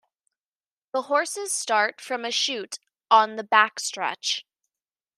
The horses start from a chute on the backstretch.